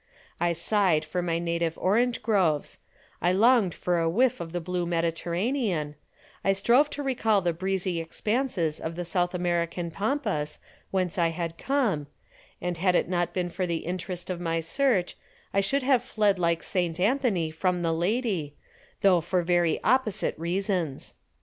I sighed for my native orange groves, I longed for a whiff of the blue Mediterranean, I strove to recall the breezy expanses of the South American Pampas whence I had come, and had it not been for the interest of my search, I should have fled like St. Anthony from the lady, though for very opposite reasons.